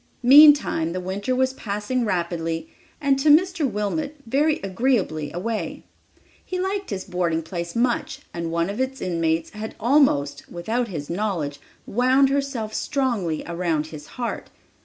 Meantime the winter was passing rapidly and, to Mr. Wilmot, very agreeably away. He liked his boarding place much and one of its inmates had almost, without his knowledge, wound herself strongly around his heart.